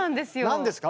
何ですか？